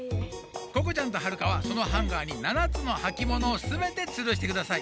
ここちゃんとはるかはそのハンガーにななつのはきものをすべてつるしてください。